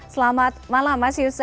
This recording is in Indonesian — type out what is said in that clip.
selamat malam mas yusa